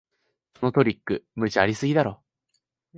そのトリック、無茶ありすぎだろ